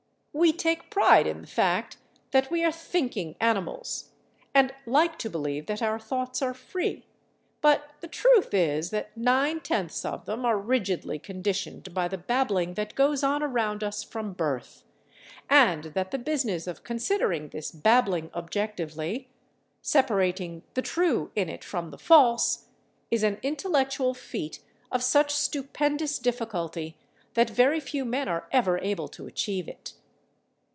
We take pride in the fact that we are thinking animals, and like to believe that our thoughts are free, but the truth is that nine tenths of them are rigidly conditioned by the babbling that goes on around us from birth, and that the business of considering this babbling objectively, separating the true in it from the false, is an intellectual feat of such stupendous difficulty that very few men are ever able to achieve it.